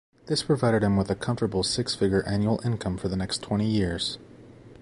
This provided him with a comfortable six-figure annual income for the next twenty years.